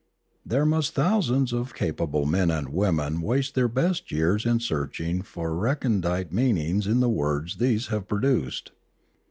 There must thousands of capable men and women waste their best years in searching for recondite mean ings in the works these have produced.